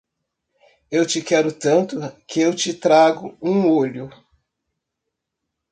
Eu te quero tanto, que eu te trago um olho.